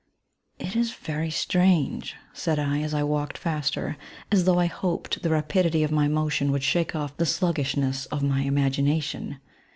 *^ It is very strange r said I, as I walked faster, as though I hoped the rapidity of my motion would shake off the sluggishness of my imagination.